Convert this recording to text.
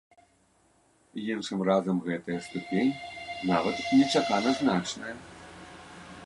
Іншым разам гэтая ступень нават нечакана значная.